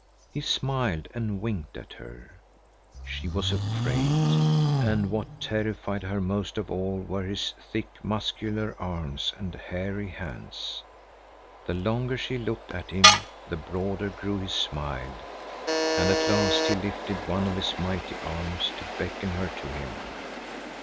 He smiled and winked at her. She was afraid, and what terrified her most of all were his thick, muscular arms and hairy hands. The longer she looked at him the broader grew his smile, and at last he lifted one of his mighty arms to beckon her to him.